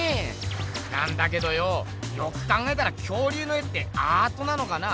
なんだけどよよく考えたら恐竜の絵ってアートなのかな？